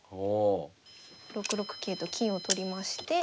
６六桂と金を取りまして。